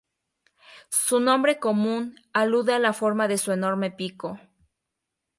Su nombre común alude a la forma de su enorme pico.